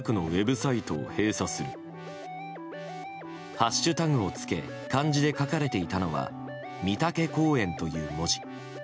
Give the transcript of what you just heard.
ハッシュタグをつけ漢字で書かれていたのは「美竹公園」という文字。